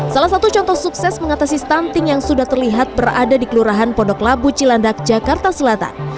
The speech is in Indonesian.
salah satu contoh sukses mengatasi stunting yang sudah terlihat berada di kelurahan pondok labu cilandak jakarta selatan